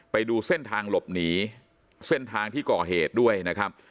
ไปดูเส้นทางหลบหนีเส้นทางที่ก่อเหตุด้วยนะครับ